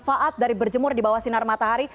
manfaat dari berjemur di bawah sinar matahari